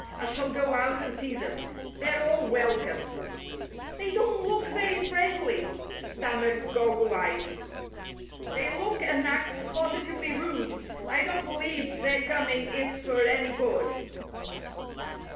I shall go out and see them. They're all welcome." " They don't look very friendly," stammered Croggle Eyes. " They look and act positively rude. I don't believe their coming is for any good."